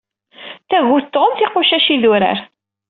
Tagut tɣumm tiqucac n yidurar.